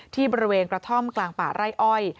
ที่บริเวณกระท่อมกลางป่าไร่อ้อย